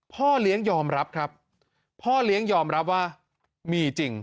พ่อเลี้ยงยอมรับครับพ่อเลี้ยงยอมรับว่ามีจริง